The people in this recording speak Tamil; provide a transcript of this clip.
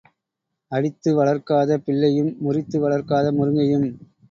அடித்து வளர்க்காத பிள்ளையும் முறித்து வளர்க்காத முருங்கையும்.